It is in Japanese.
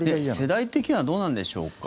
世代的にはどうなんでしょうか？